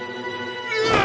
うわ！